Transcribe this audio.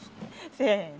せの！